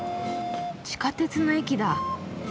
地下鉄の駅だ。